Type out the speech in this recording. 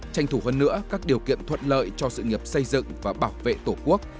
tranh thủ hơn nữa các điều kiện thuận lợi cho sự nghiệp xây dựng và bảo vệ tổ quốc